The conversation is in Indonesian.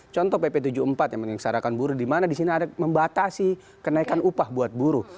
contoh pp tujuh puluh empat yang mengingsarakan buruh di mana di sini ada membatasi kenaikan upah buat buruh